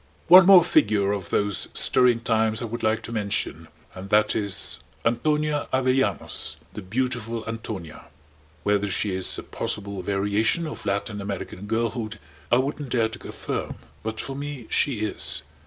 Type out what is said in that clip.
One more figure of those stirring times I would like to mention: and that is Antonia Avellanos the "beautiful Antonia." Whether she is a possible variation of Latin American girlhood I wouldn't dare to affirm. But, for me, she is.